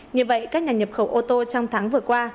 như vậy các nhà nhập khẩu ô tô trong tháng vừa qua